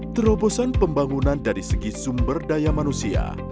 terobosan pembangunan dari segi sumber daya manusia